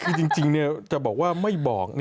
คือจริงจะบอกว่าไม่บอก